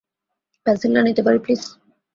পেন্সিলটা নিতে পারি, প্লিজ?